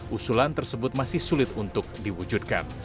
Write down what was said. usulan tersebut masih sulit untuk diwujudkan